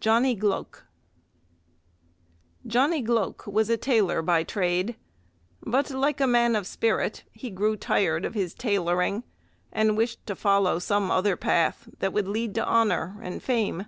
Johnny Gloke Johnny Gloke was a tailor by trade, but like a man of spirit he grew tired of his tailoring, and wished to follow some other path that would lead to honour and fame.